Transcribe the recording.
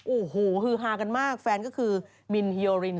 โอ้โหฮือฮากันมากแฟนก็คือมินฮียริน